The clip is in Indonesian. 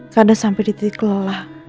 karena sampai dititik lola